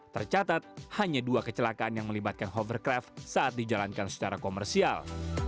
tercatat hanya dua kecelakaan yang melibatkan hovercraft saat dijalankan secara komersial